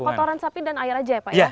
kotoran sapi dan air aja ya pak ya